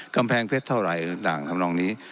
กำแพงเฉพาะเต็ปเท่าไหร่ต่างทั้งล่องนี้